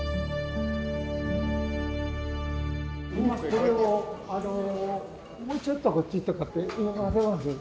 これをあのもうちょっとこっちとかって動かせます？